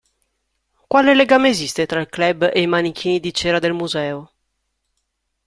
Quale legame esiste tra il club e i manichini di cera del museo?